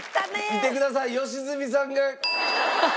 見てください良純さんが。ハハハハハ。